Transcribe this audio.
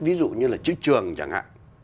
ví dụ như là chữ trường chẳng hạn